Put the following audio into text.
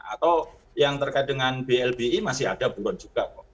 atau yang terkait dengan blbi masih ada buron juga kok